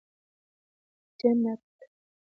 جنت